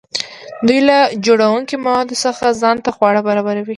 دوی له جوړونکي موادو څخه ځان ته خواړه برابروي.